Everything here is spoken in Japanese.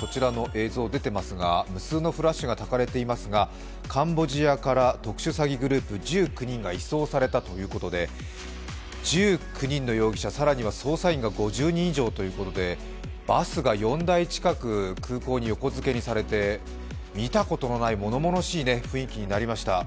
こちらの映像に出ていますが、無数のフラッシュがたかれていますが、カンボジアから特殊詐欺グループ１９人が移送されたということで１９人の容疑者、更には捜査員が５０人以上ということでバスが４台近く空港に横付けにされて、見たことのない物々しい雰囲気になりました。